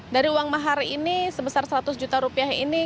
dari uang mahar ini sebesar seratus juta rupiah ini